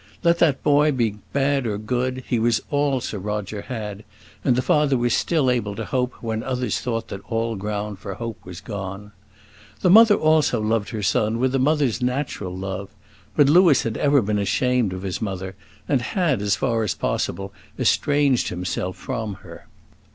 Let that boy be bad or good, he was all Sir Roger had; and the father was still able to hope, when others thought that all ground for hope was gone. The mother also loved her son with a mother's natural love; but Louis had ever been ashamed of his mother, and had, as far as possible, estranged himself from her.